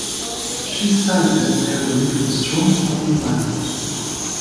She cited her belief in "strong family values".